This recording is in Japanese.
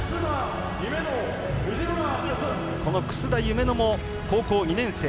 楠田夢乃も高校２年生。